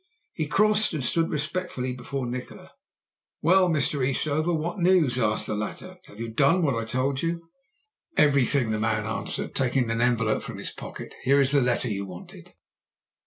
He crossed and stood respectfully before Nikola. "'Well, Mr. Eastover, what news?' asked the latter. 'Have you done what I told you?' "'Everything,' the man answered, taking an envelope from his pocket. 'Here is the letter you wanted.'